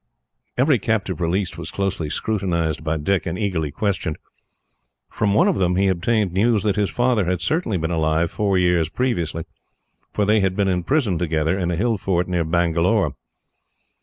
Every captive released was closely scrutinised by Dick, and eagerly questioned. From one of them, he obtained news that his father had certainly been alive four years previously, for they had been in prison together, in a hill fort near Bangalore.